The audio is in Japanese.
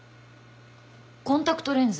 コンタクトレンズ？